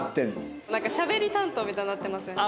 なんかしゃべり担当みたいになってません？